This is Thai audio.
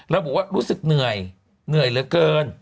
ระบุว่ารู้สึกเหนื่อยเหนื่อยเหลือเกิน